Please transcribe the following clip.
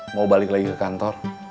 mau balik lagi ke kantor